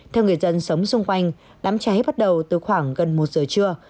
theo người dân sống xung quanh đám cháy bắt đầu từ khoảng gần một giờ trưa